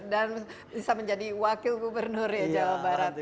dan bisa menjadi wakil gubernur jawa barat